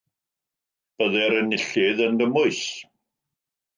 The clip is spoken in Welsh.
Byddai'r enillydd yn gymwys.